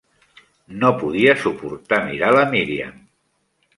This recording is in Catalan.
No podia suportar mirar la Míriam.